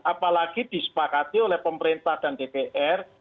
apalagi disepakati oleh pemerintah dan dpr